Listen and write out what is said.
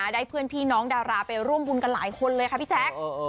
เพื่อนพี่น้องดาราไปร่วมบุญกันหลายคนเลยค่ะพี่แจ๊ค